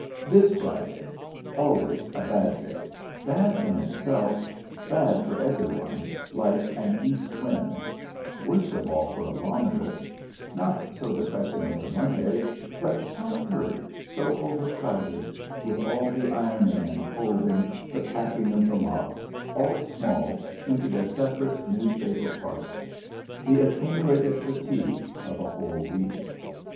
This Friday! Always a bad day, bad in itself, bad for every one, like an east wind; worst of all for a laundress: not so depressing as a Monday, but so hurried, so overcrowded, with all the ironing and folding, the packing of the lots, all small, into their separate newspaper parcels; the accumulated fatigue of a whole week.